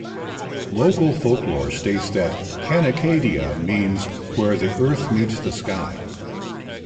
Local folklore states that "Kanakadea" means "where the earth meets the sky".